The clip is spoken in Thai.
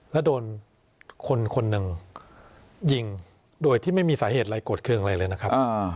แล้วโดนคนคนหนึ่งยิงโดยที่ไม่มีสาเหตุอะไรโกรธเครื่องอะไรเลยนะครับ